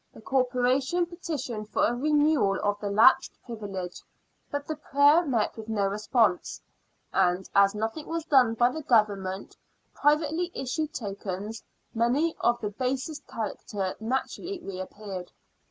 the Corporation petitioned for a renewal of the lapsed privilege, but the prayer met with no response, and, as nothing was done by the Govern ment, privately issued tokens, many of the basest character, naturally reappeared.